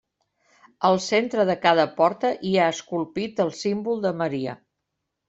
Al centre de cada porta hi ha esculpit el símbol de Maria.